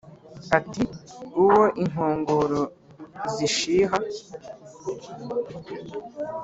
Ati: "Uwo inkongoro zishiha